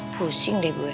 pusing deh gue